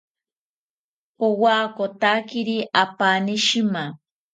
Powakotakiri apani shima